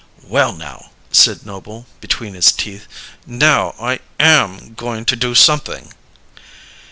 "Well, now," said Noble, between his teeth "now, I am goin' to do something!"